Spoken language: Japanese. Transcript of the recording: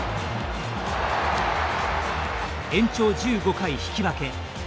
延長１５回引き分け。